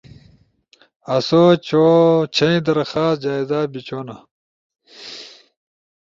آسو چھئی درخواست جائزہ بیچھونا